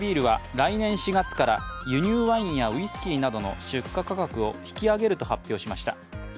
またアサヒビールは来年４月から輸入ワインやウイスキーなどの出荷価格を引き上げると発表しました。